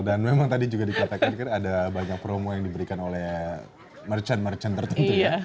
dan memang tadi juga dikatakan kan ada banyak promo yang diberikan oleh merchant merchant tertentu ya